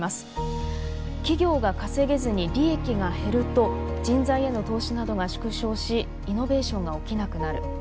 企業が稼げずに利益が減ると人材への投資などが縮小しイノベーションが起きなくなる。